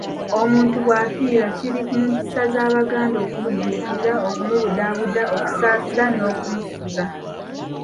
Omuntu bw'afiirwa kiri mu mpisa z'Abaganda okumudduukirira, okumubudaabuda, okusaasira n'okumusuza.